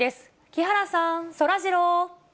木原さん、そらジロー。